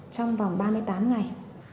trong vòng ba mươi tám ngày